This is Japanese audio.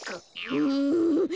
うん。